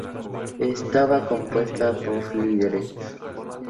Estaba compuesta por líderes.